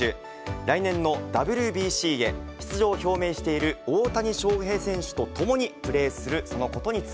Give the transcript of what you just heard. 来年のＷＢＣへ出場を表明している大谷翔平選手と共にプレーする